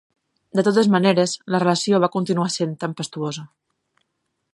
De totes maneres, la relació va continuar sent tempestuosa.